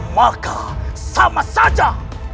maka sama saja